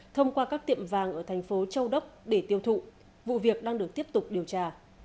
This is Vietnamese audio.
thông qua các tiệm vàng ở thành phố châu đốc để tiêu thụ vụ việc đang được tiếp tục điều tra